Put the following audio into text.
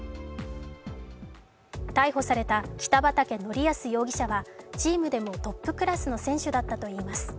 逮捕された北畠成文容疑者はチームでもトップクラスの選手だったといいます。